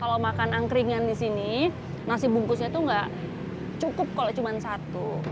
kalau makan angkringan di sini nasi bungkusnya itu nggak cukup kalau cuma satu